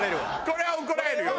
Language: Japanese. これは怒られるよ。